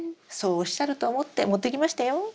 そうおっしゃると思って持ってきましたよ。